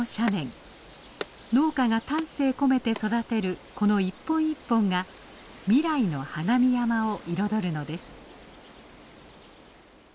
農家が丹精込めて育てるこの一本一本が未来の花見山を彩るのです。